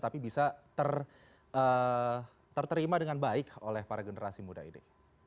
tapi bisa terterima dengan baik oleh para generasi muda ini